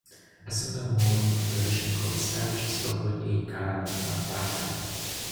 A similar mode of preparation called savige is popular in Karnataka.